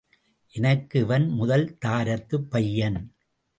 எனக்கு இவன் முதல் தாரத்துப் பையன்.